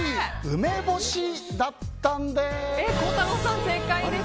Ｃ、梅干しだったんです。